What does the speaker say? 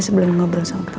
sebelum ngobrol sama ketopo